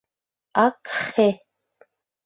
— Ак-хе...